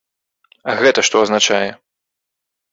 А гэта што азначае?